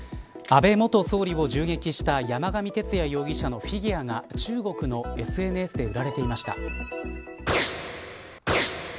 安倍元総理を銃撃した山上徹也容疑者のフィギュアが中国のＳＮＳで売られていました。